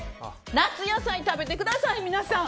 夏野菜食べてください、皆さん。